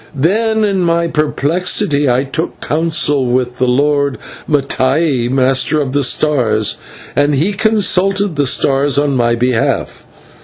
Then in my perplexity I took counsel with the Lord Mattai, Master of the Stars, and he consulted the stars on my behalf.